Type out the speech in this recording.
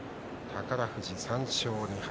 宝富士３勝２敗。